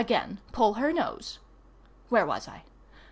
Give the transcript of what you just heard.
again—pull her nose.] Where was I?